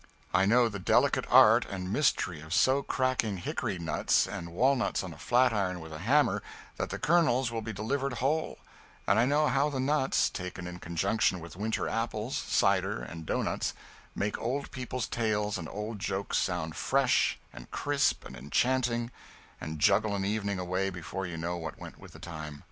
I know the delicate art and mystery of so cracking hickory nuts and walnuts on a flatiron with a hammer that the kernels will be delivered whole, and I know how the nuts, taken in conjunction with winter apples, cider and doughnuts, make old people's tales and old jokes sound fresh and crisp and enchanting, and juggle an evening away before you know what went with the time.